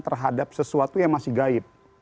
terhadap sesuatu yang masih gaib